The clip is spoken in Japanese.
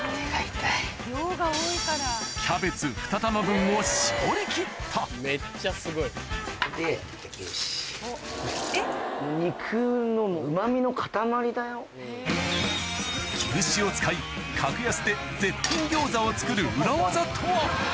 餃子がを搾りきった牛脂を使い格安で絶品餃子を作る裏技とは？